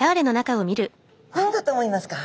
何だと思いますか？